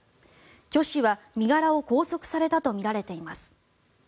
キョ氏は身柄を拘束されたとみられています。